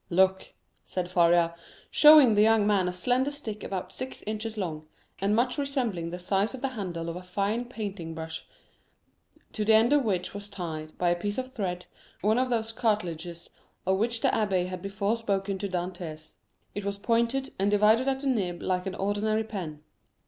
"Look!" said Faria, showing to the young man a slender stick about six inches long, and much resembling the size of the handle of a fine painting brush, to the end of which was tied, by a piece of thread, one of those cartilages of which the abbé had before spoken to Dantès; it was pointed, and divided at the nib like an ordinary pen.